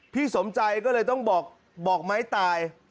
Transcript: สมใจก็เลยต้องบอกไม้ตาย